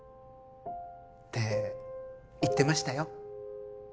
って言ってましたよ。